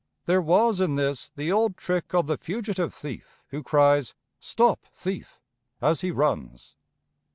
There was in this the old trick of the fugitive thief who cries "Stop thief!" as he runs.